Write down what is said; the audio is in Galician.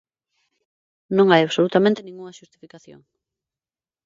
Non hai absolutamente ningunha xustificación.